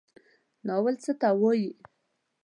ناول څه ته وایي؟